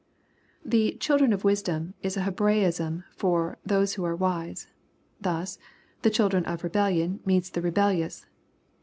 The " children of wisdom" is a Hebraism for " those who are wise." Thus, the "children of rebellion" means the rebellious, Num.